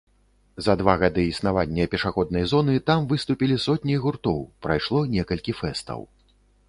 За два гады існавання пешаходнай зоны там выступілі сотні гуртоў, прайшло некалькі фэстаў.